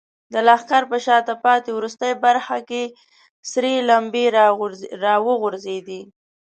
د لښکر په شاته پاتې وروستۍ برخه کې سرې لمبې راوګرځېدې.